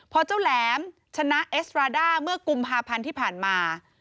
พอเจ้าแหลมชนะเอสตราด้าเมื่อกุมภาพันธ์ที่ผ่านมา